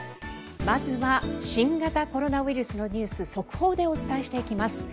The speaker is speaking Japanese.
まずは新型コロナウイルスのニュース速報でお伝えしていきます。